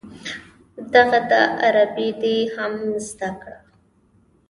دغه ده عربي دې هم زده کړه.